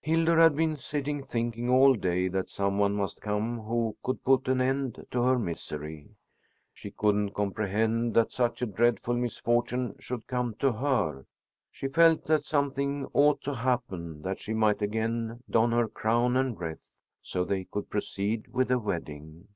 Hildur had been sitting thinking all day that some one must come who could put an end to her misery. She couldn't comprehend that such a dreadful misfortune should come to her. She felt that something ought to happen that she might again don her crown and wreath, so they could proceed with the wedding.